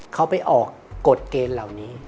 เขาไปออกกฎเกณฑ์เหล่านี้